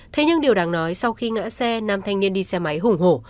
thế nhưng điều đáng nói sau khi ngã xe nam thanh niên đi xe máy hùng hổ